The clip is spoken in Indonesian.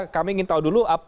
kami ingin tahu dulu